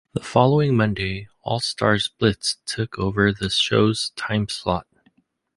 The following Monday, "All-Star Blitz" took over the show's timeslot.